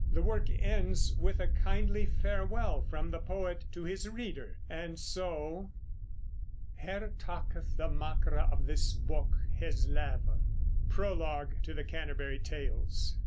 The work ends with a kindly farewell from the poet to his reader, and so "here taketh the makere of this book his leve." PROLOGUE TO THE CANTERBURY TALES.